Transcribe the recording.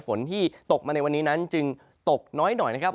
ฝนที่ตกมาในวันนี้นั้นจึงตกน้อยหน่อยนะครับ